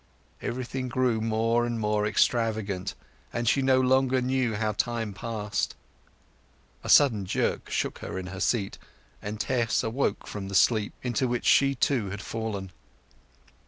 Everything grew more and more extravagant, and she no longer knew how time passed. A sudden jerk shook her in her seat, and Tess awoke from the sleep into which she, too, had fallen.